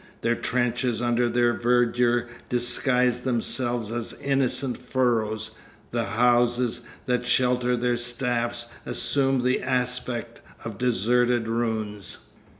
Their trenches under their verdure disguise themselves as innocent furrows; the houses that shelter their staffs assume the aspect of deserted ruins.